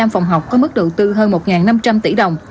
năm trăm bảy mươi năm phòng học có mức đầu tư hơn một năm trăm linh tỷ đồng